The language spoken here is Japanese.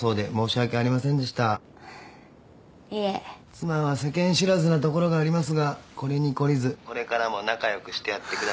妻は世間知らずなところがありますがこれに懲りずこれからも仲良くしてやってください。